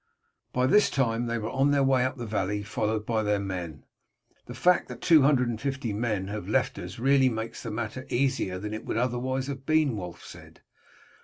By this time they were on their way up the valley, followed by their men. "The fact that two hundred and fifty men have left us really makes the matter easier than it would otherwise have been," Wulf said.